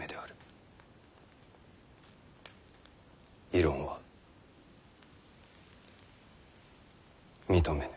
異論は認めぬ。